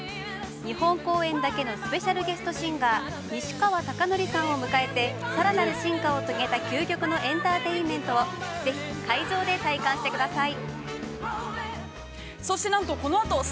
日本公演だけのスペシャル・ゲストシンガー西川貴教さんを迎えてさらなる進化を遂げた究極のエンターテインメントをぜひ、会場で体感してください。